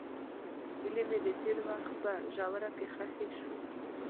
هیلې مې د تېر وخت په ژوره کې ښخې شوې.